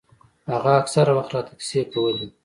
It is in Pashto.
هغه اکثره وخت راته کيسې کولې.